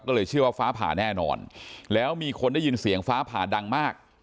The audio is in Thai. ก็เลยเชื่อว่าฟ้าผ่าแน่นอนแล้วมีคนได้ยินเสียงฟ้าผ่าดังมาก